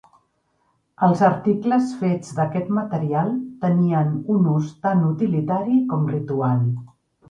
Els articles fets d'aquest material tenien un ús tant utilitari com ritual.